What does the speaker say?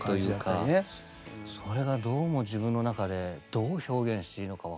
それがどうも自分の中でどう表現していいのか分からなくて。